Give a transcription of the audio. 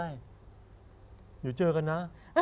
เดี๋ยวเจอกันนะ